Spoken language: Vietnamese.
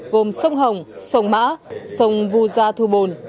gồm sông hồng sông mã sông vu gia thu bồn